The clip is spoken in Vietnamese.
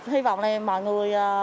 hy vọng là mọi người